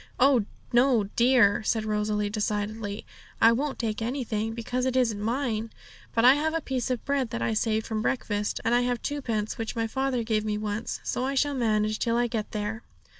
'Oh no, dear!' said Rosalie decidedly; 'I won't take anything, because it isn't mine. But I have a piece of bread that I saved from breakfast, and I have twopence which my father gave me once, so I shall manage till I get there.'